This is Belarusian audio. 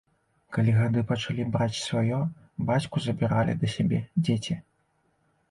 Калі гады пачалі браць сваё, бацьку забіралі да сябе дзеці.